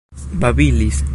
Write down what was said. babilis